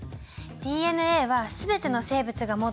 ＤＮＡは全ての生物が持ってるの。